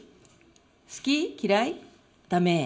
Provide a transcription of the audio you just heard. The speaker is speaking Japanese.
好き？嫌い？だめ？